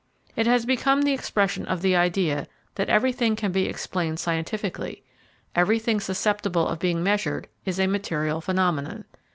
It has become the expression of the idea that everything that can be explained scientifically, everything susceptible of being measured, is a material phenomenon.